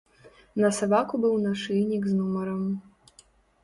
На сабаку быў нашыйнік з нумарам.